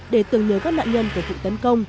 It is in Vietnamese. để tưởng nhớ các nạn nhân của vụ tấn công